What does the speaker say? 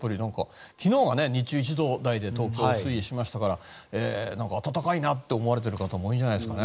昨日は日中、１度台で東京、推移しましたから暖かいなと思われている方も多いんじゃないですかね。